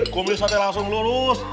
kumpulnya langsung lurus